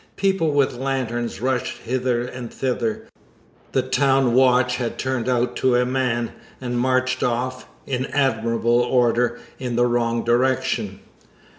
People with lanterns rushed hither and thither. The town watch had turned out to a man, and marched off, in admirable order, in the wrong direction.